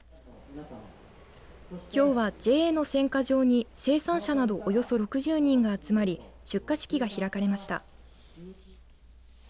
きょうはＪＡの選果場に生産者などおよそ６０人が集まり出荷式が開かれました。